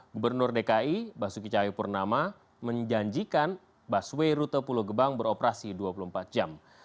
gubernur dki basuki cahayapurnama menjanjikan busway rute pulau gebang beroperasi dua puluh empat jam